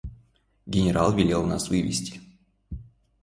Генерал велел нас вывести.